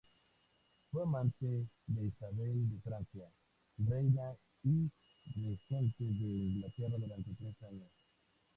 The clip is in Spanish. Fue amante de Isabel de Francia, Reina y regente de Inglaterra durante tres años.